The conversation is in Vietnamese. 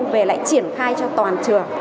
và lại triển khai cho toàn trường